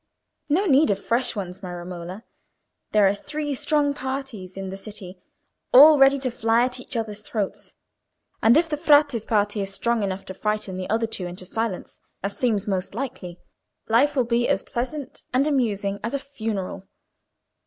"No need of fresh ones, my Romola. There are three strong parties in the city, all ready to fly at each other's throats. And if the Frate's party is strong enough to frighten the other two into silence, as seems most likely, life will be as pleasant and amusing as a funeral.